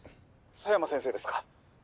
「佐山先生ですか？